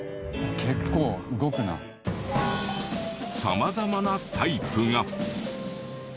様々なタイプが。